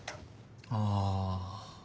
ああ。